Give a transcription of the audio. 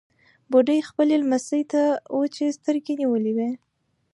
بوډۍ خپلې لمسۍ ته وچې سترګې نيولې وې.